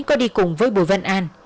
có đi cùng với bùi văn an